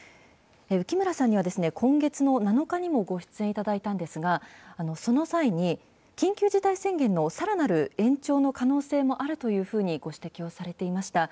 浮村さんには、今月の７日にもご出演いただいたんですが、その際に、緊急事態宣言のさらなる延長の可能性もあるというふうにご指摘をされていました。